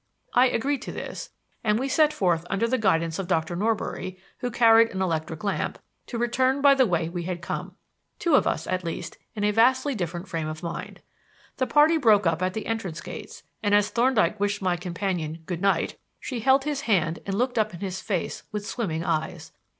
I agreed to this, and we set forth under the guidance of Dr. Norbury (who carried an electric lamp) to return by the way we had come; two of us, as least, in a vastly different frame of mind. The party broke up at the entrance gates, and as Thorndyke wished my companion "Good night," she held his hand and looked up in his face with swimming eyes.